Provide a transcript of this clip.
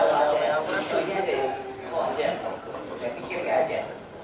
oh ada saya pikirnya ada